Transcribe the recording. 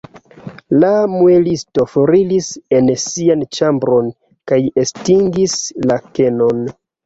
La muelisto foriris en sian ĉambron kaj estingis la kenon.